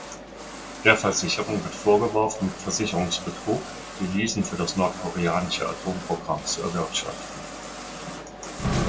Der Versicherung wird vorgeworfen mit Versicherungsbetrug Devisen für das nordkoreanische Atomprogramm zu erwirtschaften.